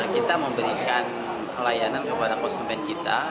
kita memberikan pelayanan kepada konsumen kita